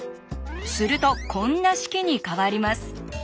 するとこんな式に変わります。